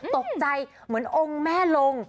ตกใจเหมือนองค์แม่ลง